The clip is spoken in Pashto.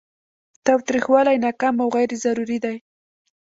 تاوتریخوالی ناکام او غیر ضروري دی.